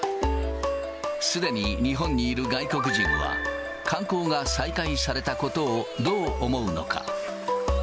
すでに日本にいる外国人は、観光が再開されたことをどう思うのか。